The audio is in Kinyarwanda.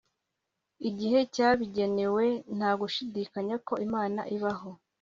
Gihe cyabigenewe nta gushidikanya ko imana ibaho